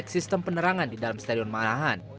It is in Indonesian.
kita cek sistem penerangan di dalam stadion manahan